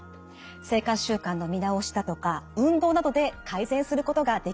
生活習慣の見直しだとか運動などで改善することができるからなんです。